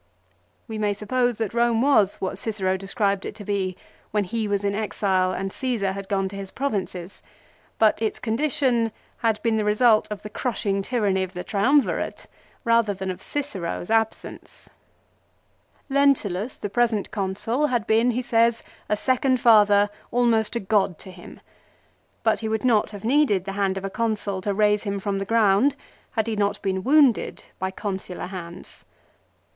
We may suppose that Borne was what Cicero described it to be when he was in exile and Caesar had gone to his Provinces; but its condition had been the result of the crushing tyranny of the Triumvirate rather than of Cicero's absence. 10 LIFE OF CICERO. Lentulus the present Consul had been, he says, a second father, almost a god to him. But he would not have needed the hand of a Consul to raise him from the ground, had he not been wounded by consular hands.